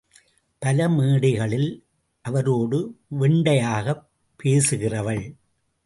பல மேடைகளில் அவரோடு, வெண்டையாகப் பேசுகிறவள்.